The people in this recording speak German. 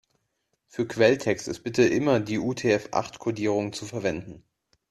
Für Quelltext ist bitte immer die UTF-acht-Kodierung zu verwenden.